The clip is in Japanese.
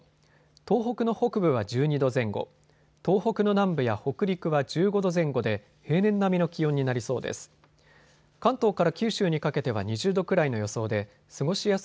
東北の北部は１２度前後、東北の南部や北陸は１５度前後で平年並みの気温になりそうです。